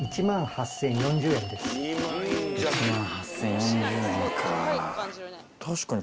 １万８０４０円か。